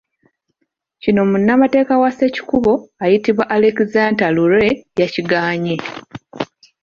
Kino munnamateeka wa Ssekikubo, ayitibwa Alexander Lure, yakigaanye.